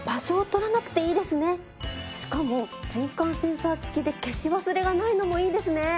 しかも人感センサーつきで消し忘れがないのもいいですね。